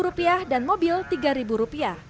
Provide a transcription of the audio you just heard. rp dan mobil rp tiga